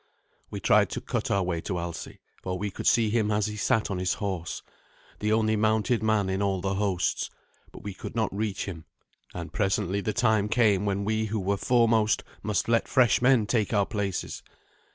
We tried to cut our way to Alsi, for we could see him as he sat on his horse the only mounted man in all the hosts; but we could not reach him. And presently the time came when we who were foremost must let fresh men take our places.